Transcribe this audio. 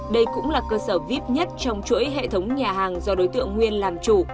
đây cũng là cơ sở vip nhất trong chuỗi hệ thống nhà hàng do đối tượng nguyên làm chủ